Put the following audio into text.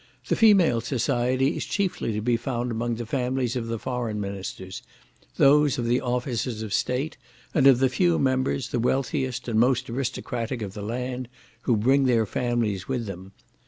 The female society is chiefly to be found among the families of the foreign ministers, those of the officers of state, and of the few members, the wealthiest and most aristocratic of the land, who bring their families with them.